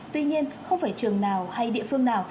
tuy nhiên không phải trường nào hay địa phương nào